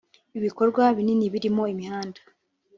Ibikorwa binini birimo imihanda